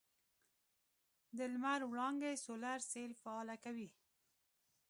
د لمر وړانګې سولر سیل فعاله کوي.